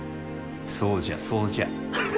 そうじゃそうじゃ。